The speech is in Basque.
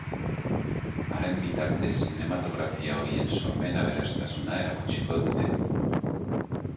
Haren bitartez zinematografia horien sormen-aberastasuna erakutsiko dute.